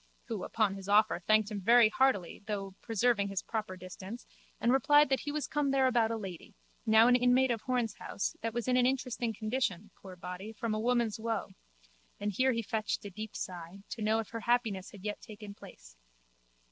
Who, upon his offer, thanked him very heartily, though preserving his proper distance, and replied that he was come there about a lady, now an inmate of Horne's house, that was in an interesting condition, poor body, from woman's woe (and here he fetched a deep sigh) to know if her happiness had yet taken place.